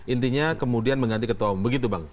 intinya kemudian mengganti ketua umum